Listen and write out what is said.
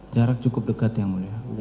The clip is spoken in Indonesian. jarak cukup dekat yang mulia